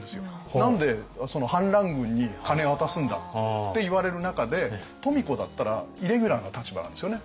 何で反乱軍に金渡すんだって言われる中で富子だったらイレギュラーな立場なんですよね